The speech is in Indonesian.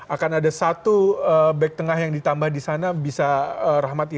akan ada satu back tengah yang ditambah di sana bisa rahmat